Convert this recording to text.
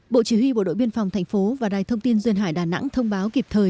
bộ chỉ huy bộ đội biên phòng thành phố và đài thông tin duyên hải đà nẵng thông báo kịp thời